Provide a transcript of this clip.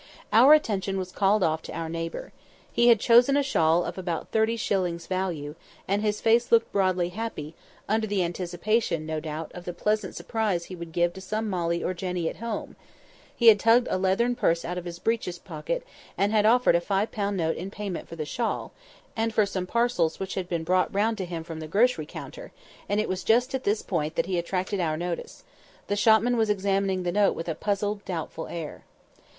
Our attention was called off to our neighbour. He had chosen a shawl of about thirty shillings' value; and his face looked broadly happy, under the anticipation, no doubt, of the pleasant surprise he would give to some Molly or Jenny at home; he had tugged a leathern purse out of his breeches pocket, and had offered a five pound note in payment for the shawl, and for some parcels which had been brought round to him from the grocery counter; and it was just at this point that he attracted our notice. The shopman was examining the note with a puzzled, doubtful air.